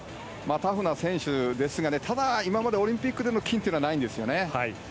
タフな選手ですけれどもただ今までオリンピックでの金はないんですよね。